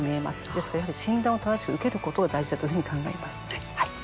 ですから、やはり診断を正しく受けることが大事だというふうに考えます。